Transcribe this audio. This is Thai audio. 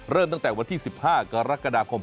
เริ่มตั้งแต่วันที่๑๕กรกฎาคม